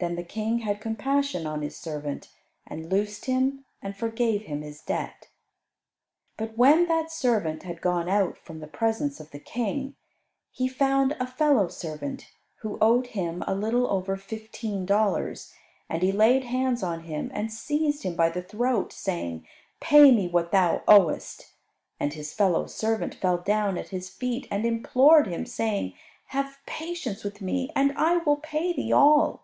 Then the King had compassion on his servant, and loosed him, and forgave him his debt. But when that servant had gone out from the presence of the King, he found a fellow servant who owed him a little over fifteen dollars, and he laid hands on him and seized him by the throat, saying, "Pay me that which thou owest." And his fellow servant fell down at his feet and implored him, saying, "Have patience with me, and I will pay thee all."